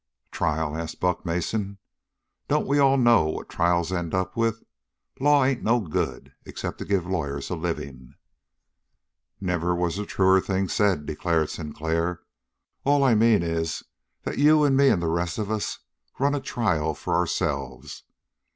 "Trial?" asked Buck Mason. "Don't we all know what trials end up with? Law ain't no good, except to give lawyers a living." "Never was a truer thing said," declared Sinclair. "All I mean is, that you and me and the rest of us run a trial for ourselves.